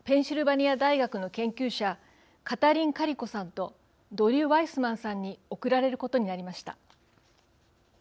ニア大学の研究者カタリン・カリコさんとドリュー・ワイスマンさんに贈られることになりました。